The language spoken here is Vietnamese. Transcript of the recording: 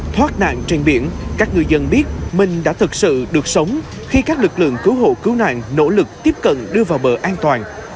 thoát nạn trên biển các ngư dân biết mình đã thực sự được sống khi các lực lượng cứu hộ cứu nạn nỗ lực tiếp cận đưa vào bờ an toàn